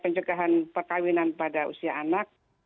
pencegahan perkawinan pada usia anak